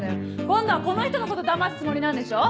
今度はこの人のことだますつもりなんでしょ？